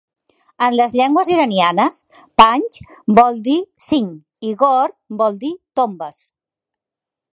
En les llengües iranianes "panj" vol dir "cinc" i "gor" vol dir "tombes".